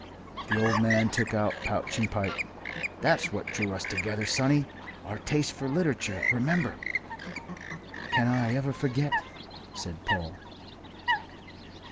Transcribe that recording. The old man took out pouch and pipe. "That's what drew us together, sonny, our taste for literature. Remember?" "Can I ever forget?" said Paul.